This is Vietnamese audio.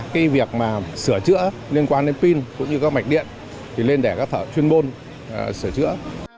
cái việc mà sửa chữa liên quan đến pin cũng như các mạch điện thì lên để các sở chuyên môn sửa chữa